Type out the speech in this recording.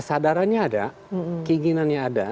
kesadarannya ada keinginannya ada